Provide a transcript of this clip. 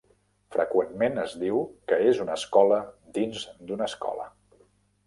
Freqüentment es diu que és una escola dins d'una escola.